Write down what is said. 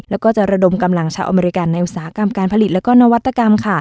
แล้วก็จะระดมกำลังชาวอเมริกันในอุตสาหกรรมการผลิตและก็นวัตกรรม